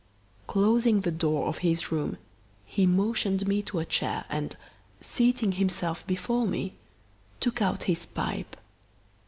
Closing the door of his room, he motioned me to a chair and, seating himself before me, took out his pipe.